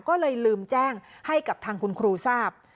ก็เลยลืมแจ้งให้กับทางคุณครูทราบ